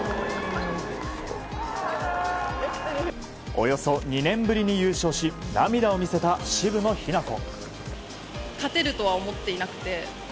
およそ２年ぶりに優勝し涙を見せた渋野日向子。